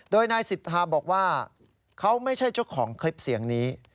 โดยนายสิทธาบอกว่าเขาไม่ใช่เจ้าของคลิปเสียงนี้